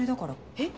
えっ？